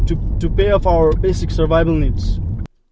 untuk memperkenalkan kebutuhan hidup kita